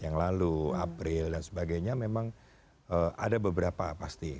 yang lalu april dan sebagainya memang ada beberapa pasti